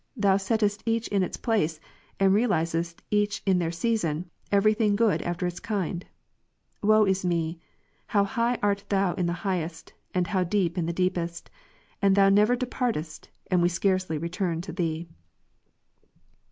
Thou settest each in its place, and realizest each in their season, every thing good after its kind ? Woe is me ! how high art Thou in the highest, and how deep in the deepest ! and Thou never departest, and we scarcely return to Thee.